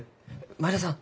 前田さん